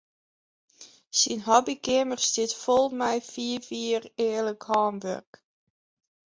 Syn hobbykeamer stiet fol mei fiif jier earlik hânwurk.